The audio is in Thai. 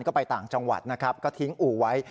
ก็ไปต่างจังหวัดนะครับก็ทิ้งอู่ไว้